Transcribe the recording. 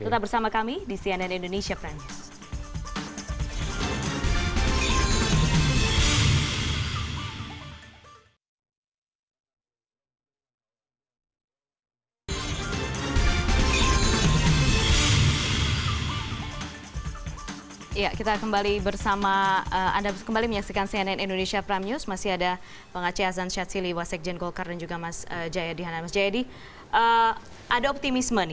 tetap bersama kami di cnn indonesia prime news